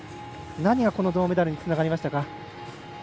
何がこの銅メダルにつながりましたか。